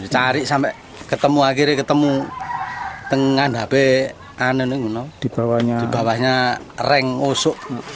cari sampe ketemu akhirnya ketemu tengah dhb ane ane di bawahnya reng osok